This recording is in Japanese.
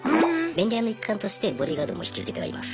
便利屋の一環としてボディーガードも引き受けてはいます。